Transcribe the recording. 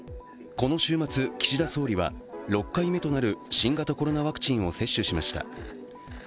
この週末、岸田総理は６回目となる新型コロナワクチンを接種しました。